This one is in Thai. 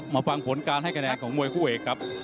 ฟังผลการให้คะแนนของมวยคู่เอกครับ